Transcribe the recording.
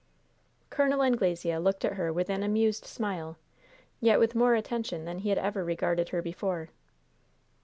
Col. Anglesea looked at her with an amused smile, yet with more attention than he had ever regarded her before.